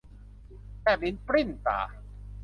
แลบลิ้นปลิ้นตา